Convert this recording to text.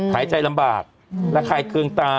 หายใจลำบากระคายเคืองตา